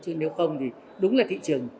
chứ nếu không thì đúng là thị trường